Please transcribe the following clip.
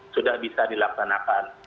sudah bisa dilaksanakan